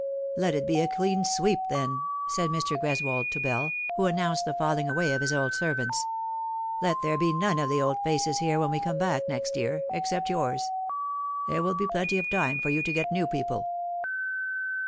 " Let it be a clean sweep, then," said Mr. Greswold to Bell, who announced the falling away of his old servants. " Let there be none of the old faces here when we come back next year except yours. There will be plenty of time for you to get new people."